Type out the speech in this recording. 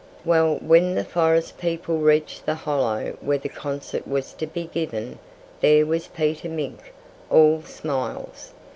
Well, when the forest people reached the hollow where the concert was to be given, there was Peter Mink, all smiles.